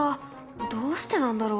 どうしてなんだろう？